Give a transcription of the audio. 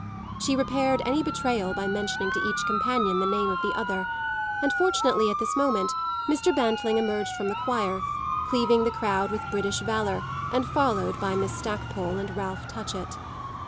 She repaired any betrayal by mentioning to each companion the name of the other, and fortunately at this moment Mr. Bantling emerged from the choir, cleaving the crowd with British valour and followed by Miss Stackpole and Ralph Touchett.